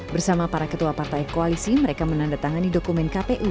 bersama para ketua partai koalisi mereka menandatangani dokumen kpu